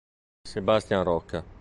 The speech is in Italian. Sebastian Rocca